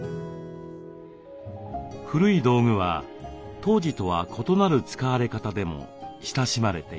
古い道具は当時とは異なる使われ方でも親しまれています。